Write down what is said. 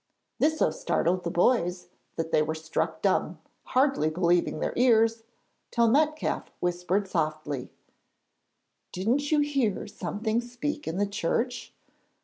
This so startled the boys that they were struck dumb, hardly believing their ears, till Metcalfe whispered softly: 'Didn't you hear something speak in the church?'